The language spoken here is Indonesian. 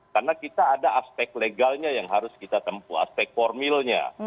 karena kita ada aspek legalnya yang harus kita tempuh aspek formilnya